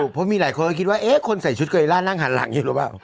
เพราะมีหลายคนก็คิดว่าเอ๊ะคนใส่ชุดเกยล่านั่งหันหลังอยู่หรือเปล่า